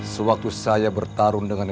sewaktu saya bertarung dengan